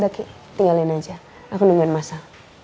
daki tinggalin aja aku nungguin masa